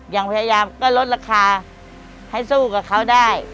ยังพยายามก็ลดราคาให้สู้กับเขาได้